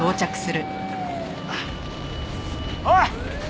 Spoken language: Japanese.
おい！